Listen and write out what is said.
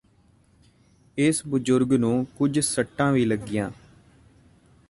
ਇਸ ਬਜ਼ੁਰਗ ਨੂੰ ਕੁਝ ਸੱਟਾਂ ਵੀ ਲੱਗੀਆਂ